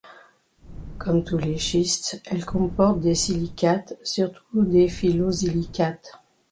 Comme tous les schistes elle comporte des silicates, surtout des phyllosilicates.